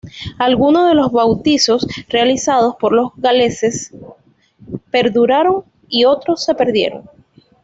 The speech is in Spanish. Algunos de los bautizos realizados por los galeses perduraron y otros se perdieron.